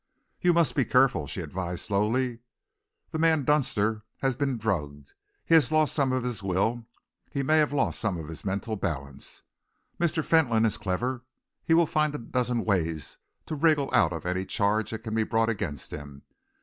"You must be careful," she advised slowly. "The man Dunster has been drugged, he has lost some of his will; he may have lost some of his mental balance. Mr. Fentolin is clever. He will find a dozen ways to wriggle out of any charge that can be brought against him.